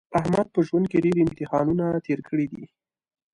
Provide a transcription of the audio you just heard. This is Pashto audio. احمد په ژوند کې ډېر امتحانونه تېر کړي دي.